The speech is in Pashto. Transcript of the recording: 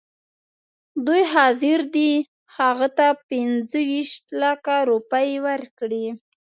دوی حاضر دي هغه ته پنځه ویشت لکه روپۍ ورکړي.